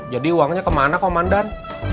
jadi uangnya kemana komandan